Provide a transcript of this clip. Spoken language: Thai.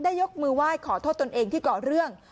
ยกมือไหว้ขอโทษตนเองที่ก่อเรื่อง